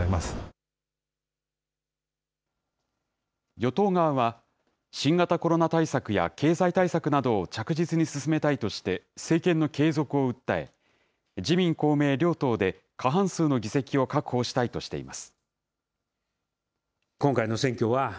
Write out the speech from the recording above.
与党側は、新型コロナ対策や経済対策などを着実に進めたいとして政権の継続を訴え、自民、公明両党で過半数の議席を確保したいとしています。